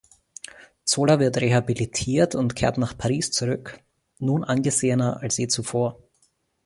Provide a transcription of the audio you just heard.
Zola wird rehabilitiert und kehrt nach Paris zurück, nun angesehener als je zuvor.